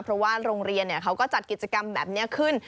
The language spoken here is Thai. เพราะว่าโรงเรียนเขาก็จัดกิจกรรมแบบนี้ขึ้น